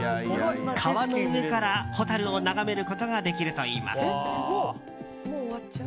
川の上からホタルを眺めることができるといいます。